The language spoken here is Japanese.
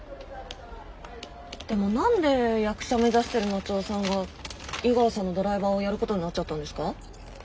でも何で役者目指してる松尾さんが井川さんのドライバーをやることになっちゃったんですか？